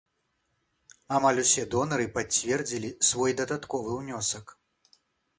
Амаль усе донары пацвердзілі свой дадатковы ўнёсак.